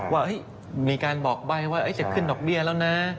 ว่ามีการบอกใบ้ว่าจะขึ้นดอกเบี้ยแล้วนะ